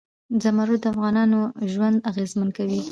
زمرد د افغانانو ژوند اغېزمن کوي.